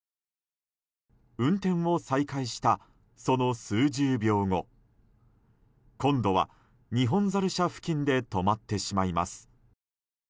運転を再開したその数十秒後今度はニホンザル舎付近で止まってしまいます。